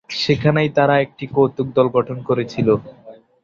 সেখানেই তারা একটি কৌতুক দল গঠন করেছিল।